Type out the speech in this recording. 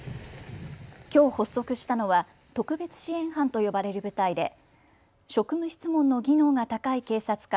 きょう発足したのは特別支援班と呼ばれる部隊で職務質問の技能が高い警察官